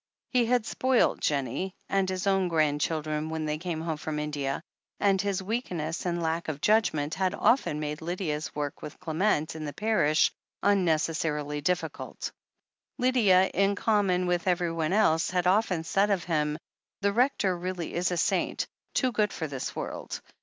He had spoilt Jennie and his own grandchildren when they came home from India, and his weakness and lack of judgment had often made Lydia's work with Qement in the parish unnecessarily difficult. Lydia, in common with everyone else, had often said of him : "The Rector really is a saint — ^too good for this world.